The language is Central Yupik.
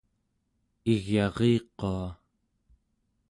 igyariqua